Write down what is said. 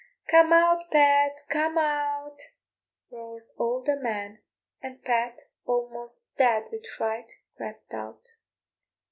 "Come out, Pat, come out," roared all the men, and Pat, almost dead with fright, crept out.